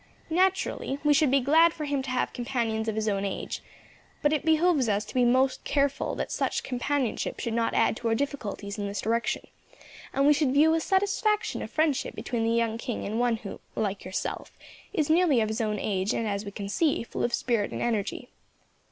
Naturally, we should be glad for him to have companions of his own age, but it behoves us to be most careful that such companionship should not add to our difficulties in this direction; and we should view with satisfaction a friendship between the young king and one who, like yourself, is nearly of his own age and, as we can see, full of spirit and energy.